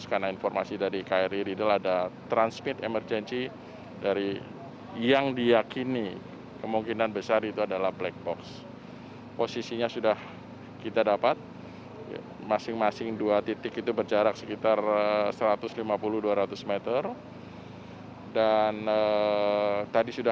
karena informasi dari kri riddle ada transmit emergency dari yang diyakini kemungkinan besar itu ada